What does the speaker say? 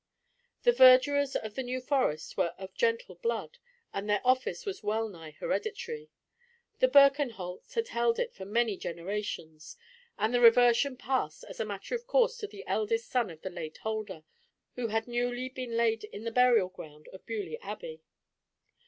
The verdurers of the New Forest were of gentle blood, and their office was well nigh hereditary. The Birkenholts had held it for many generations, and the reversion passed as a matter of course to the eldest son of the late holder, who had newly been laid in the burial ground of Beaulieu Abbey.